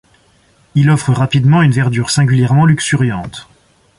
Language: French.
Il offre rapidement une verdure singulièrement luxuriante.